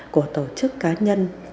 của tổ chức cá nhân